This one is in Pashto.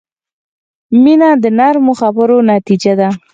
• مینه د نرمو خبرو نتیجه ده.